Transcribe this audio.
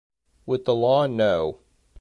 With the law no.